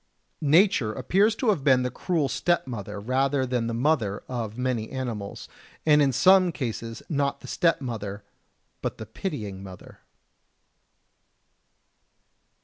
Nature appears to have been the cruel stepmother rather than the mother of many animals, and in some cases not the stepmother, but the pitying mother.